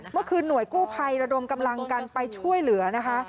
เมื่อคืนหน่วยกู้ภัยระดมกำลังกันไปช่วยเหลือนะคะ